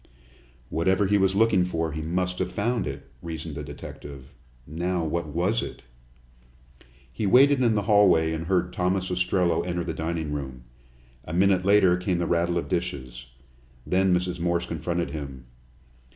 "Whatever he was looking for, he must have found it," reasoned the detective. "Now, what was it?" He waited in the hallway and heard Thomas Ostrello enter the dining room. A minute later came the rattle of dishes. Then Mrs. Morse confronted him.